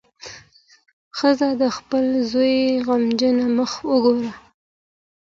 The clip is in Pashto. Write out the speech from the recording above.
ښځه د خپل زوی غمجن مخ وګوره.